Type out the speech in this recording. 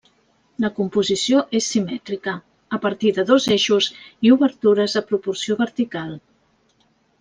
La composició és simètrica, a partir de dos eixos i obertures de proporció vertical.